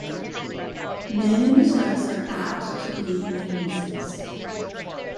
Men in distress are apt to be a nuisance.